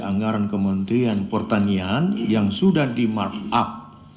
anggaran kementerian pertanian yang sudah di markup